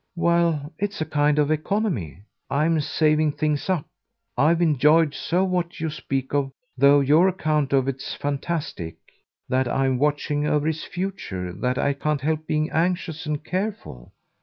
"Well, it's a kind of economy I'm saving things up. I've enjoyed so what you speak of though your account of it's fantastic that I'm watching over its future, that I can't help being anxious and careful.